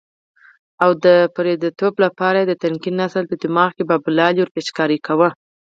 او د پردیتوب لپاره یې د تنکي نسل په دماغ کې بابولالې ورپېچکاري کوو.